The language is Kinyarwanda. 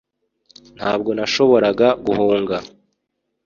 Ntabwo nashoboraga guhunga